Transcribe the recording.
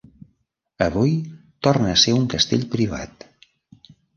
Avui torna a ser un castell privat.